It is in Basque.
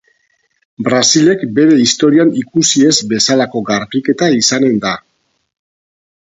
Brasilek bere historian ikusi ez bezalako garbiketa izanen da.